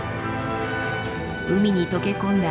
海に溶け込んだ